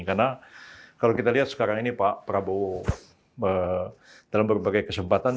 karena kalau kita lihat sekarang ini pak prabowo dalam berbagai kesempatan